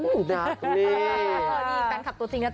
นี่แฟนคลับตัวจริงแล้วจ้ะ